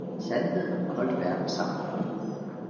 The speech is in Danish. Sandheden holdt verden sammen